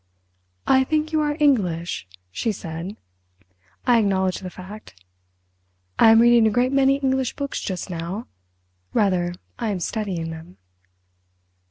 "I think you are English?" she said. I acknowledged the fact. "I am reading a great many English books just now—rather, I am studying them."